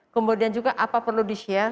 kemudian juga apa perlu di share